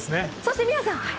そして、美和さん。